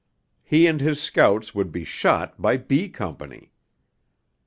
He and his scouts would be shot by B Company.